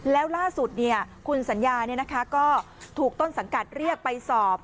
แล้วล่าสุดคุณสัญญาก็ถูกต้นสังกัดเรียกไปสอบ